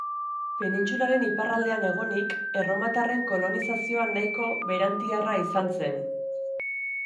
Penintsularen iparraldean egonik, erromatarren kolonizazioa nahiko berantiarra izan zen.